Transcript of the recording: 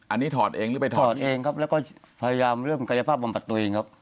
อันนี้ถอดเองหรือไปถอดเองถอดเองครับแล้วก็พยายามเริ่มกายภาพอมปัติตัวเองครับ